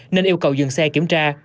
nên yêu cầu dừng xe kiểm tra